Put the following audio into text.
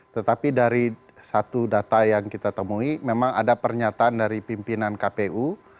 tetapi dari satu data yang kita temui memang ada pernyataan dari pimpinan kpu